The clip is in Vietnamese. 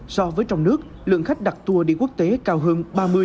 so với trong nước lượng khách đặt tour đi quốc tế cao hơn ba mươi bốn mươi